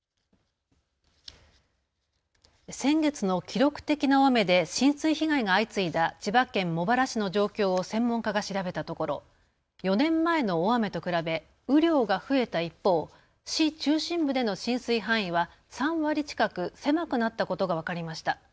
先月の記録的な大雨で浸水被害が相次いだ千葉県茂原市の状況を専門家が調べたところ、４年前の大雨と比べ雨量が増えた一方、市中心部での浸水範囲は３割近く狭くなったことが分かりました。